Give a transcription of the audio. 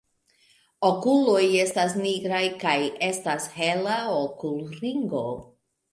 Okuloj estas nigraj kaj estas hela okulringo.